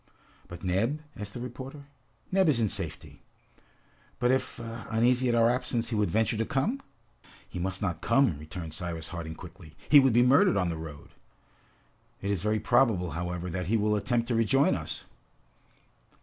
"But Neb?" asked the reporter. "Neb is in safety." "But if, uneasy at our absence, he would venture to come?" "He must not come!" returned Cyrus Harding quickly. "He would be murdered on the road!" "It is very probable, however, that he will attempt to rejoin us!"